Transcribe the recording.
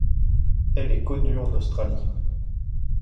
Elle est connue en Australie.